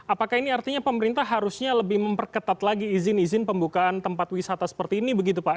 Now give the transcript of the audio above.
apakah ini artinya pemerintah harusnya lebih memperketat lagi izin izin pembukaan tempat wisata seperti ini begitu pak